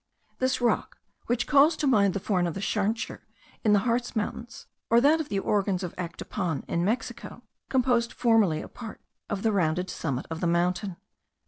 This rock, which calls to mind the form of the Schnarcher in the Hartz mountains, or that of the Organs of Actopan in Mexico,* composed formerly a part of the rounded summit of the mountain.